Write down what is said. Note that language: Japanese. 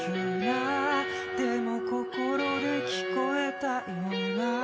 「でも心で聞こえたような」